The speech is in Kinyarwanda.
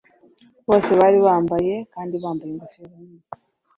Bose bari bambaye kandi bambaye ingofero nini